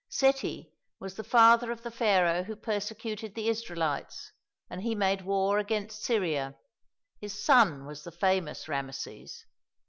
Seti was the father of the Pharaoh who persecuted the Israelites, and he made war against Syria. His son was the famous Rameses.